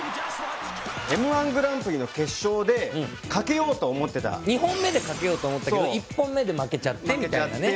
Ｍ−１グランプリの決勝でかけようと思ってた２本目でかけようと思ったけど１本目で負けちゃってみたいなね